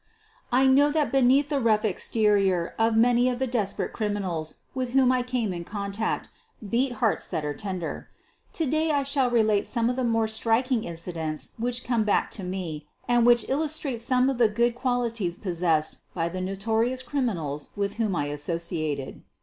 I know that beneath the rough exterior of many of the desperate criminals with whom I came in contact beat hearts that were tender. To day I shall relate some of the more striking incidents which come back to me and which illustrate some of the good qualities possessed by the notorious criminals with whom I associated.